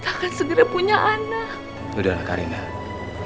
aku sudah selesai